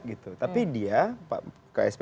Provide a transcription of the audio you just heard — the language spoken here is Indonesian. gitu tapi dia ksp